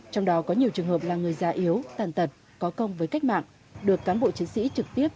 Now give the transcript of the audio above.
trong đó có nhiều trường hợp là người già yếu tàn tật có công với cách mạng được cán bộ chiến sĩ trực tiếp